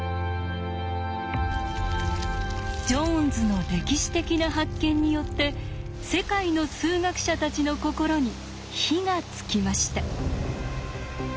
ジョーンズの歴史的な発見によって世界の数学者たちの心に火がつきました。